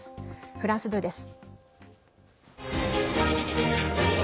フランス２です。